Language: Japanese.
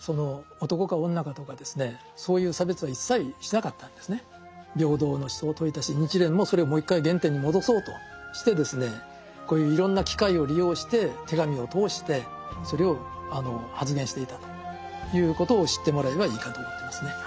だからこのようにですね仏教というのは平等の思想を説いたし日蓮もそれをもう一回原点に戻そうとしてこういういろんな機会を利用して手紙を通してそれを発言していたということを知ってもらえばいいかと思ってますね。